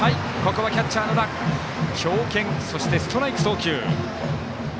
ここはキャッチャー、野田強肩、そしてストライク送球。